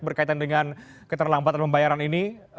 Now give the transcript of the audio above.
berkaitan dengan keterlambatan pembayaran ini